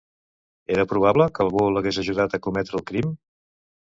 Era probable que algú l'hagués ajudat a cometre el crim?